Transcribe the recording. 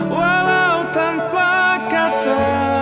walau tanpa kata